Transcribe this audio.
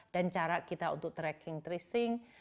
dan cara kita untuk tracking tracing